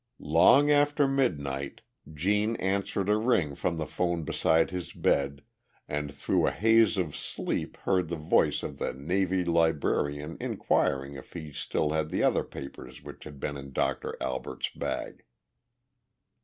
Long after midnight Gene answered a ring from the phone beside his bed and through a haze of sleep heard the voice of the navy librarian inquiring if he still had the other papers which had been in Doctor Albert's bag.